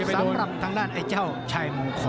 สำหรับทางด้านไอ้เจ้าชายมงคล